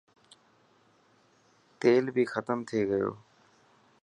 تيل بي ختم ٿي گيو.